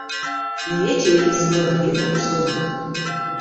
Naye ekyebuuzibwa bagenda kusoma?